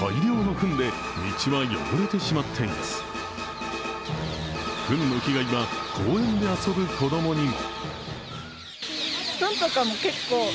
ふんの被害は公園で遊ぶ子供にも。